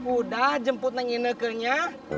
udah jemput nengi neke nya